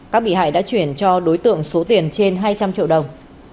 các bị hại đã chuyển cho đối tượng số tiền trên hai trăm linh triệu đồng